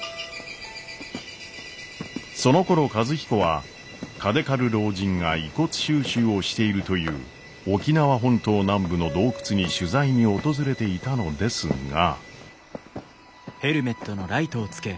そのころ和彦は嘉手刈老人が遺骨収集をしているという沖縄本島南部の洞窟に取材に訪れていたのですが。